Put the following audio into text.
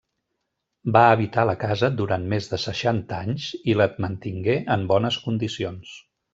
Va habitar la casa durant més de seixanta anys i la mantingué en bones condicions.